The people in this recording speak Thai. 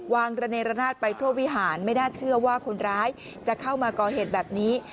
ระเนรนาศไปทั่ววิหารไม่น่าเชื่อว่าคนร้ายจะเข้ามาก่อเหตุแบบนี้